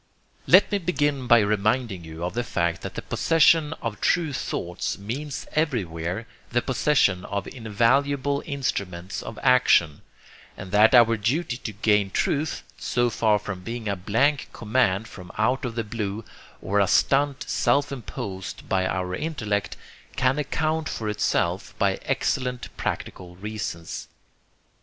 Let me begin by reminding you of the fact that the possession of true thoughts means everywhere the possession of invaluable instruments of action; and that our duty to gain truth, so far from being a blank command from out of the blue, or a 'stunt' self imposed by our intellect, can account for itself by excellent practical reasons.